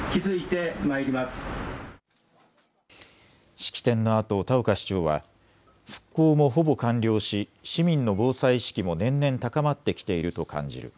式典のあと田岡市長は復興もほぼ完了し市民の防災意識も年々高まってきていると感じる。